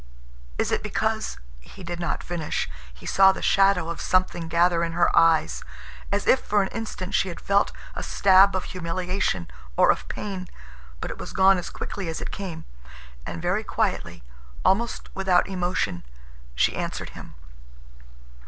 Is it because—" He did not finish. He saw the shadow of something gather in her eyes, as if for an instant she had felt a stab of humiliation or of pain, but it was gone as quickly as it came. And very quietly, almost without emotion, she answered him.